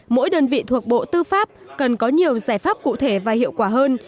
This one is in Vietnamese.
mỗi đơn vị thuộc bộ tư pháp cần có nhiều giải pháp cụ thể và hiệu quả hơn